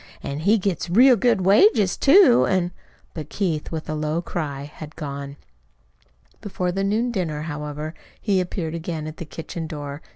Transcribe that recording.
An' he gets real good wages, too, an' " But Keith with a low cry had gone. Before the noon dinner, however, he appeared again at the kitchen door.